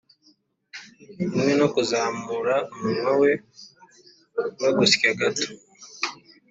hamwe no kuzamura umunwa we no gusya gato,